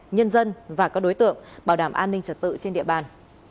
nhân dân và các đối tượng bảo đảm an ninh trật tự trên địa bàn